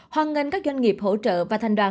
hoàn ngân các doanh nghiệp hỗ trợ và thanh đoàn